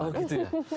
oh gitu ya